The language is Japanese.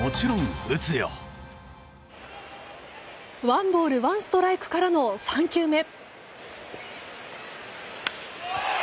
ワンボールワンストライクからの３球目。